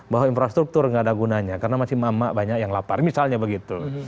bahwa infrastruktur nggak ada gunanya karena masih mama banyak yang lapar misalnya begitu